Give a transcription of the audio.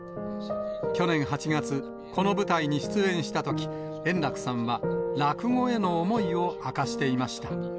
去年８月、この舞台に出演したとき、円楽さんは落語への思いを明かしていました。